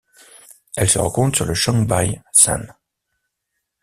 Elle se rencontre sur le Changbai Shan.